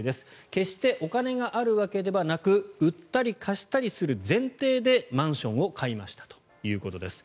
決してお金があるわけではなく売ったり貸したりする前提でマンションを買いましたということです。